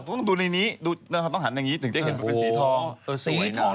ต้องหันอย่างนี้ถึงจะเห็นเป็นสีทอง